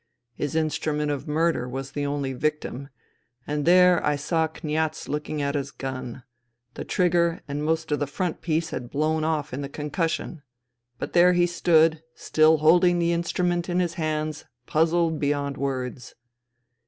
His instrument of murder was the only victim ; and there I saw Kniaz looking at his gun : the trigger and most of the front piece had blown off in the con cussion. But there he stood, still holding the instrument in his hands, puzzled beyond words."